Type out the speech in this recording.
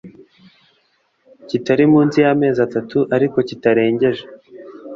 kitari munsi y amezi atatu ariko kitarengeje